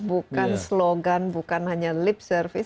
bukan slogan bukan hanya lip service